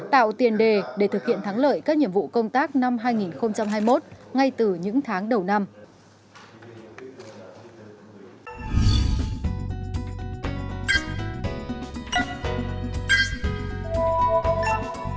tạo tiền đề để thực hiện thắng lợi các nhiệm vụ công tác năm hai nghìn hai mươi một ngay từ những tháng đầu năm